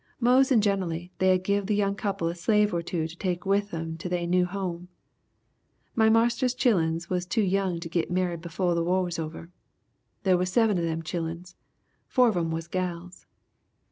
Mos'en generally they 'ud give the young couple a slave or two to take with them to they new home. My marster's chilluns was too young to git married befo' the war was over. They was seven of them chilluns; four of 'em was gals.